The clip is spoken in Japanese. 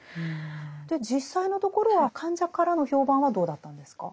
で実際のところは患者からの評判はどうだったんですか。